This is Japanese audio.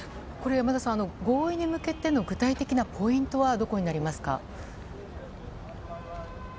合意に向けての具体的なポイントはどこになりますか？